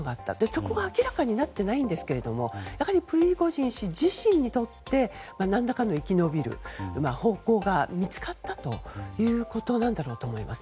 そこが明らかになっていないんですがやはりプリゴジン氏自身にとって何らかの生き延びる方向が見つかったということなんだろうと思います。